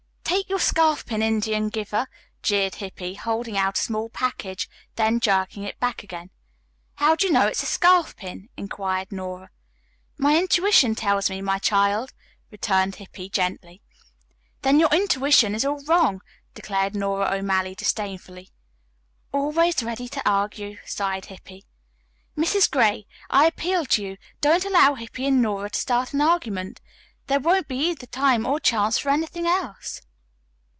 "Take your scarf pin, Indian giver," jeered Hippy, holding out a small package, then jerking it back again. "How do you know it's a scarf pin?" inquired Nora. "My intuition tells me, my child," returned Hippy gently. "Then your intuition is all wrong," declared Nora O'Malley disdainfully. "Always ready to argue," sighed Hippy. "Mrs. Gray, I appeal to you, don't allow Hippy and Nora to start an argument. There won't be either time or chance for anything else."